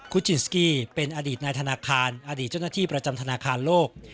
จินสกี้เป็นอดีตนายธนาคารอดีตเจ้าหน้าที่ประจำธนาคารโลก